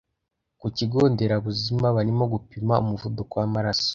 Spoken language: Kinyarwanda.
Ku kigo nderabuzima barimo gupima umuvuduko wamaraso